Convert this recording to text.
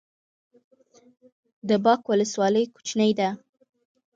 د باک ولسوالۍ کوچنۍ ده